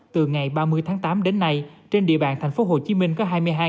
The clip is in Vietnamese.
từ ngày ba mươi tháng tám đến nay trên địa bàn thành phố hồ chí minh có hai mươi hai một trăm hai mươi bốn